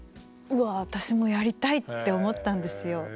うわあ私もやりたいって思ったんですよ。